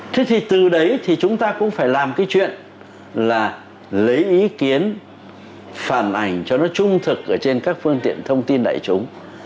thế thì từ đấy thì chúng ta cũng phải làm cái chuyện là lấy ý kiến phản ảnh cho nó trung thực ở trên các phương tiện thông tin đại chúng